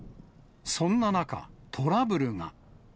そんな中、トラブルが。